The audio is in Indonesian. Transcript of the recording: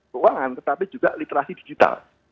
keuangan tetapi juga literasi digital